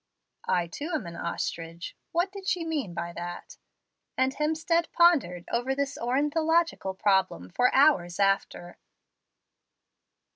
"' I, too, am an ostrich '! What did she mean by that?" and Hemstead pondered over this ornithological problem for hours after.